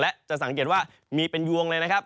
และจะสังเกตว่ามีเป็นยวงเลยนะครับ